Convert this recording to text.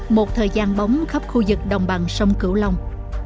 một thời gian bóng khắp khu vực đồng bằng sông cửu long